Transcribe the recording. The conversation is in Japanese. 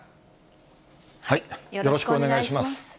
よろしくお願いします。